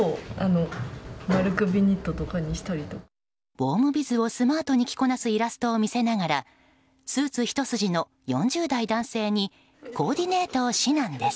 ウォームビズをスマートに着こなすイラストを見せながらスーツひと筋の４０代男性にコーディネートを指南です。